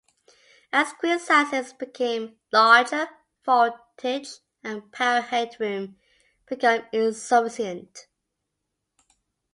As screen sizes became larger, voltage and power headroom became insufficient.